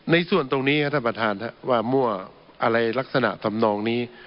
ในส่วนตรงนี้ครับท่านประธานว่ามั่วอะไรลักษณะทำนองนี้